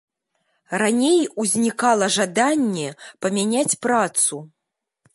Раней узнікала жаданне памяняць працу.